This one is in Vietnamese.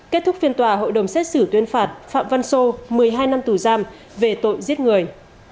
kết thúc phiên tòa hội đồng xét xử tuyên phạt phạm văn sô một mươi hai năm tù giam về tội giết người